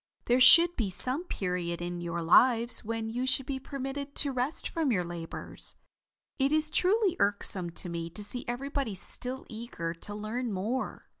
There should be some period in your lives when you should be permitted to rest from your labors. It is truly irksome to me to see everybody still eager to learn more.